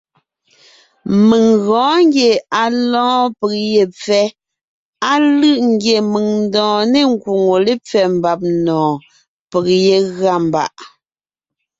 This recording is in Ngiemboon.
Mèŋ gɔɔn ngie à lɔ́ɔn peg ye pfɛ́, á lʉ̂ʼ ngie mèŋ ńdɔɔn ne ńkwóŋo lépfɛ́ mbàb nɔ̀ɔn, peg yé gʉa mbàʼ.